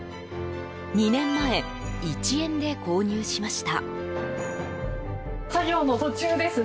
２年前、１円で購入しました。